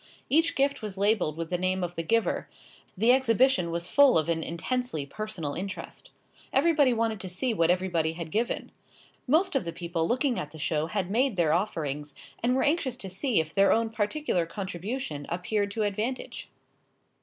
Each gift was labelled with the name of the giver; the exhibition was full of an intensely personal interest. Everybody wanted to see what everybody had given. Most of the people looking at the show had made their offerings, and were anxious to see if their own particular contribution appeared to advantage.